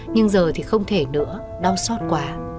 nhưng giờ thì không thể nữa đau xót quá